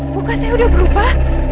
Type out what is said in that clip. buka saya udah berubah